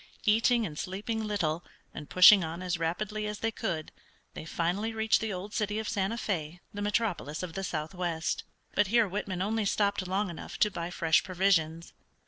Eating and sleeping little, and pushing on as rapidly as they could they finally reached the old city of Santa Fé, the metropolis of the southwest. But here Whitman only stopped long enough to buy fresh provisions.